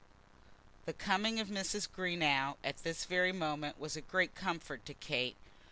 The coming of Mrs. Greenow at this very moment was a great comfort to Kate.